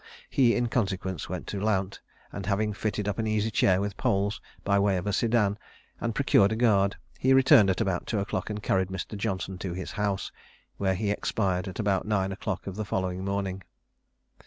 He in consequence went to Lount, and having fitted up an easy chair with poles, by way of a sedan, and procured a guard, he returned at about two o'clock, and carried Mr. Johnson to his house, where he expired at about nine o'clock on the following morning.